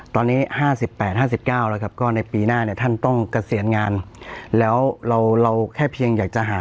ตอนนี้๕๘๕๙แล้วครับก็ในปีหน้าเนี่ยท่านต้องเกษียณงานแล้วเราแค่เพียงอยากจะหา